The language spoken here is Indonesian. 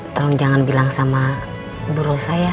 tolong jangan bilang sama guru saya